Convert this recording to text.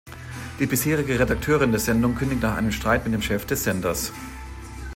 Die bisherige Redakteurin der Sendung kündigt nach einem Streit mit dem Chef des Senders.